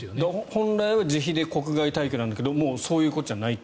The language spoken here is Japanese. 本来は自費で国外退去なんだけどもうそういうことじゃないと。